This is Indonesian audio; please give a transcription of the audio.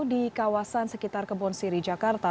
di kawasan sekitar kebon siri jakarta